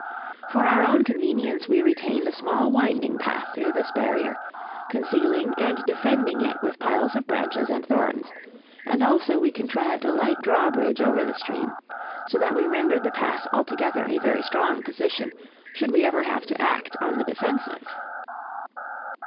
For our own convenience we retained a small winding path through this barrier, concealing and defending it with piles of branches and thorns, and also we contrived a light drawbridge over the stream, so that we rendered the pass altogether a very strong position, should we ever have to act on the defensive.